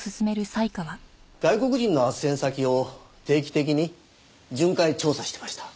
外国人の斡旋先を定期的に巡回調査してました。